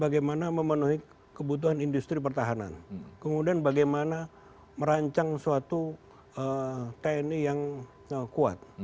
bagaimana memenuhi kebutuhan industri pertahanan kemudian bagaimana merancang suatu tni yang kuat